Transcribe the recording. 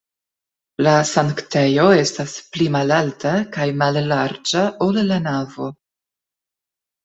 La sanktejo estas pli malalta kaj mallarĝa, ol la navo.